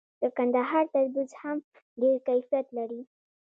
د کندهار تربوز هم ډیر کیفیت لري.